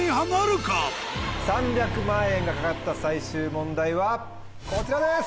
３００万円が懸かった最終問題はこちらです！